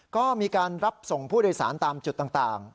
ก็มีการรับส่งผู้โดยสารตามจุดต่าง